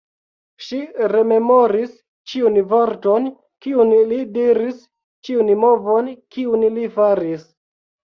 Ŝi rememoris ĉiun vorton, kiun li diris, ĉiun movon, kiun li faris.